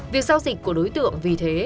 việc giao dịch của đối tượng vì thế